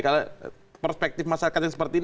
kalau perspektif masyarakat yang seperti ini